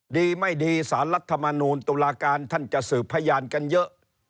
ดีไม่ดีสารรัฐมนูลตุลาการท่านจะสืบพยานกันเยอะ